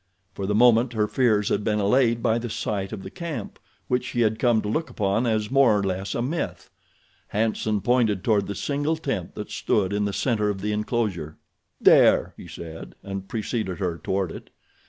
For the moment her fears had been allayed by the sight of the camp, which she had come to look upon as more or less a myth. Hanson pointed toward the single tent that stood in the center of the enclosure. "There," he said, and preceded her toward it.